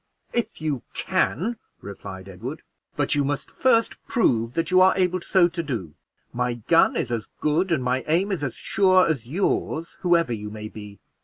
"If you can," replied Edward; "but you must first prove that you are able so to do; my gun is as good and my aim is as sure as yours, whoever you may be.